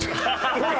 ほら！